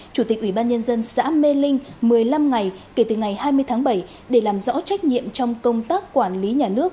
chủ tịch ubnd xã mê linh một mươi năm ngày kể từ ngày hai mươi tháng bảy để làm rõ trách nhiệm trong công tác quản lý nhà nước